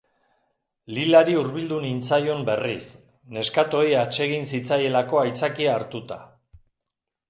Lilari hurbildu nintzaion berriz, neskatoei atsegin zitzaielako aitzakia hartuta.